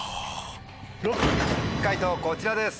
解答こちらです。